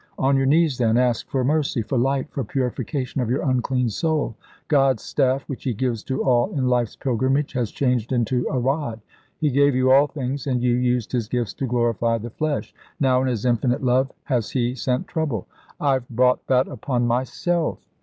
On your knees, then, ask for mercy, for light, for purification of your unclean soul. God's staff, which He gives to all in life's pilgrimage, has changed into a rod. He gave you all things, and you used His gifts to glorify the flesh. Now in His infinite love has He sent trouble " "I've brought that upon myself."